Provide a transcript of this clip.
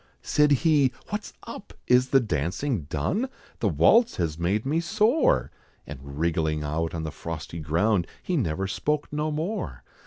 Said he, "What's up? is the dancing done? The waltz has made me sore!" And wriggling out on the frosty ground, He never spoke no more!